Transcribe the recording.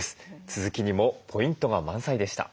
続きにもポイントが満載でした。